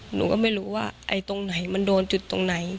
หนูก็ไม่รู้ว่าไอ้ตรงไหนมันโดนจุดตรงไหน